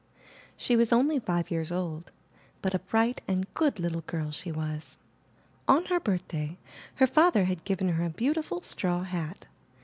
She was only five years old, but a bright and good little girl she was. On her birthday her father had given her a beau tiful straw hat.